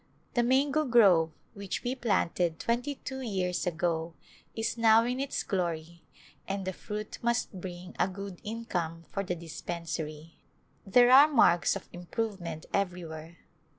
The mango grove which we planted twenty two years ago is now in its glory and the fruit must bring a good income for the dispensary. There are marks of im provement everywhere.